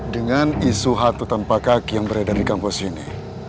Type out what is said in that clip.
dengan isu hatu tanpa kaki yang beredar di kampus ini